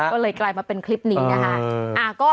ก็เลยกลายมาเป็นคลิปนี้นะคะ